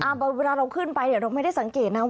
เมื่อเราขึ้นไปเราไม่ได้สังเกตนะ